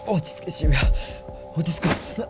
渋谷落ち着こう